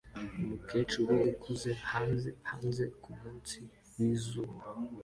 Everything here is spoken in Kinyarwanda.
Umukecuru ukuze hanze hanze kumunsi wizuba